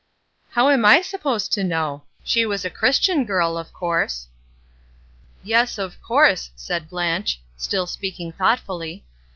"How am I supposed to know? She was a Christian prl, of course." "Yes, of course," said Blanche, still speaking thoughtfully.